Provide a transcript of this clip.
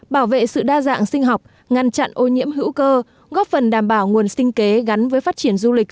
bảo vệ sự đa dạng sinh học ngăn chặn ô nhiễm hữu cơ góp phần đảm bảo nguồn sinh kế gắn với phát triển du lịch